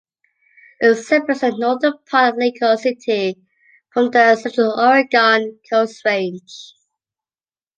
It separates the northern part of Lincoln City from the Central Oregon Coast Range.